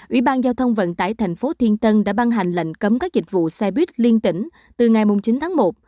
ủy ban giao thông vận tải thành phố thiên tân đã ban hành lệnh cấm các dịch vụ xe buýt liên tỉnh từ ngày chín tháng một